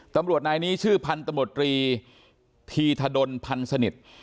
ตำรวจนายนี้ชื่อพันธมตรีธีธดลพันธ์สนิท